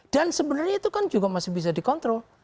dan sebenarnya itu kan juga masih bisa dikontrol